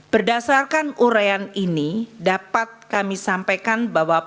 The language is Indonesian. berdasarkan urean ini dapat kami sampaikan bahwa